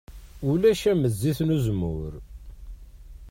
Ulac am zzit n uzemmur.